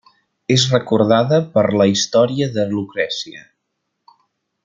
És recordada per la història de Lucrècia.